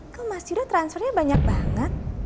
kok mas yuda transfernya banyak banget